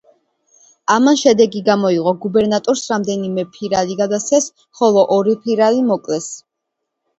ამან შედეგი გამოიღო, გუბერნატორს რამდენიმე ფირალი გადასცეს, ხოლო ორი ფირალი მოკლეს.